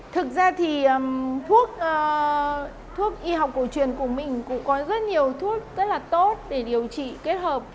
thực ra thì thuốc y học cổ truyền của mình cũng có rất nhiều thuốc rất là tốt để điều trị kết hợp